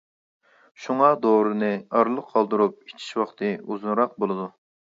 شۇڭا، دورىنى ئارىلىق قالدۇرۇپ ئىچىش ۋاقتى ئۇزۇنراق بولىدۇ.